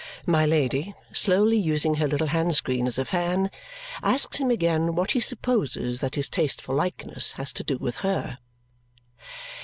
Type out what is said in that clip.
My Lady, slowly using her little hand screen as a fan, asks him again what he supposes that his taste for likenesses has to do with her.